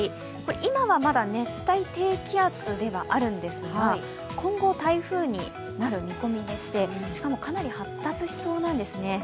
今はまだ熱帯低気圧ではあるんですが今後、台風になる見込みでしてしかも、かなり発達しそうなんですね。